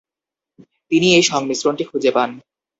তিনি এই সংমিশ্রণটি খুঁজে পান।